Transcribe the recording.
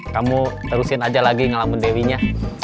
kamu terusin aja lagi ngalamin dewinya